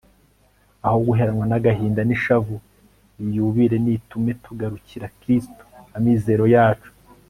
aho guheranwa n'agahinda n'ishavu, iyi yubile nitume tugarukira kristu amizero yacu